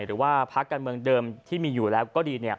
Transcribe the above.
หรือว่าพักการเมืองเดิมที่มีอยู่แล้วก็ดี